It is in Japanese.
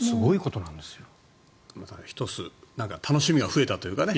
だから、１つ楽しみが増えたというかね。